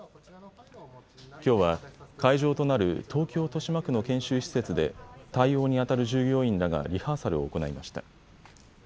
きょうは会場となる東京豊島区の研修施設で対応にあたる従業員らがリハーサルを行いました。